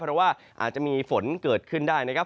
เพราะว่าอาจจะมีฝนเกิดขึ้นได้นะครับ